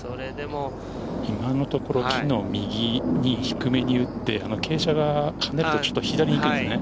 今のところ、木の右に低めに打って、傾斜を考えると左に行くんですね。